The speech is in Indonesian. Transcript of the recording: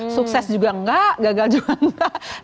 sukses juga enggak gagal juga enggak